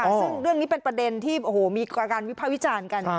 ซึ่งเรื่องนี้เป็นประเด็นที่มีการวิภาควิจารณ์กัน